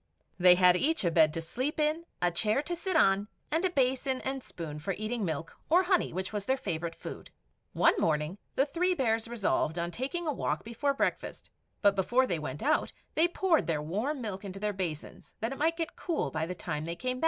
They had each a bed to sleep in, a chair to sit on, and a basin and spoon for eating milk or honey, which was their favourite food. One morning the three bears resolved on taking a walk before breakfast; but before they went out, they poured their warm milk into their basins, that it might get cool by the time they came back.